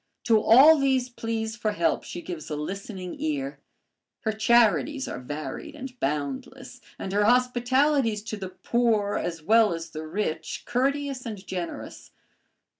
To all these pleas for help she gives a listening ear. Her charities are varied and boundless, and her hospitalities to the poor as well as the rich, courteous and generous.